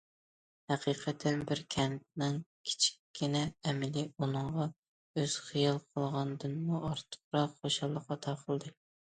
ھەقىقەتەن بىر كەنتنىڭ كىچىككىنە ئەمىلى ئۇنىڭغا ئۆزى خىيال قىلغاندىنمۇ ئارتۇقراق خۇشاللىق ئاتا قىلدى.